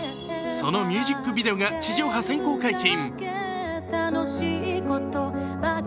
そのミュージックビデオが地上波先行解禁。